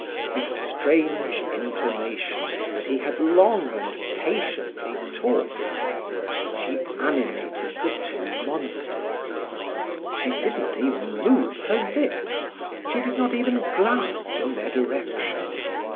With strange intonations that he had long and patiently taught her, she animated the two monsters; she did not even move her lips, she did not even glance in their direction.